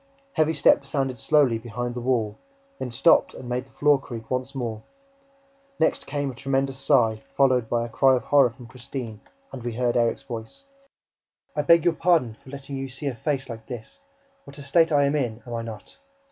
Heavy steps sounded slowly behind the wall, then stopped and made the floor creak once more. Next came a tremendous sigh, followed by a cry of horror from Christine, and we heard Erik's voice: "I beg your pardon for letting you see a face like this! What a state I am in, am I not?